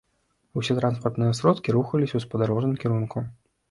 Усе транспартныя сродкі рухаліся ў спадарожным кірунку.